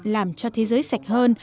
làm cho thế giới sạch hơn